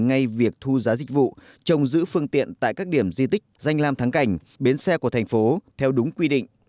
ngay việc thu giá dịch vụ trồng giữ phương tiện tại các điểm di tích danh lam thắng cảnh bến xe của thành phố theo đúng quy định